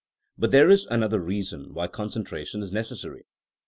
But there is another reason why concentra tion is necessary.